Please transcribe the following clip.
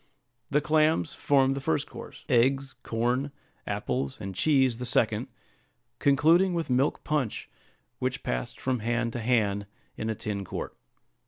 The clams formed the first course; eggs, corn, apples, and cheese, the second; concluding with milk punch, which passed from hand to hand in a tin quart.